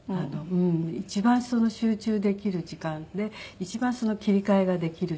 一番集中できる時間で一番切り替えができる時間。